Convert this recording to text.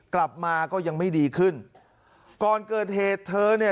กลับมาก็ยังไม่ดีขึ้นก่อนเกิดเหตุเธอเนี่ย